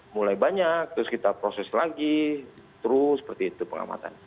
mulai banyak terus kita proses lagi terus seperti itu pengamatan